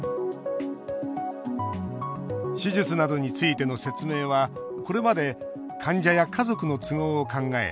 手術などについての説明はこれまで患者や家族の都合を考え